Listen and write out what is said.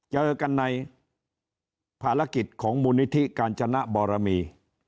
เจอกันในภารกิจของมูลนิธิกาญจนบรมี